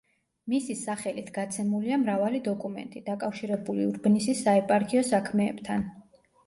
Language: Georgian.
მისი სახელით გაცემულია მრავალი დოკუმენტი, დაკავშირებული ურბნისის საეპარქიო საქმეებთან.